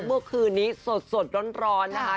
เมื่อคืนนี้สดร้อนนะคะ